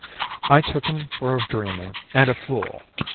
"I took him for a dreamer and a fool.